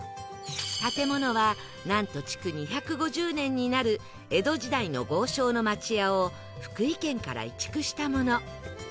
建物はなんと築２５０年になる江戸時代の豪商の町屋を福井県から移築したもの